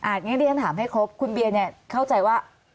อ่ะงั้นเดี๋ยวถามให้ครบคุณเบียนเนี่ยเข้าใจว่า